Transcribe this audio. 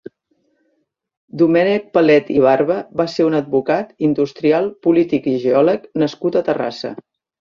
Domènec Palet i Barba va ser un advocat, industrial, polític i geòleg nascut a Terrassa.